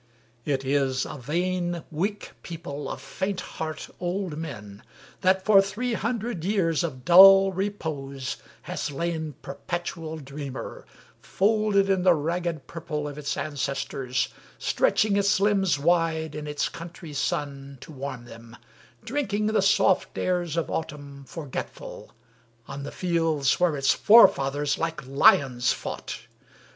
It is A vain, weak people of faint heart old men, That, for three hundred years of dull repose, Has lain perpetual dreamer, folded in The ragged purple of its ancestors, Stretching its limbs wide in its country's sun, To warm them; drinking the soft airs of autumn Forgetful, on the fields where its forefathers Like lions fought!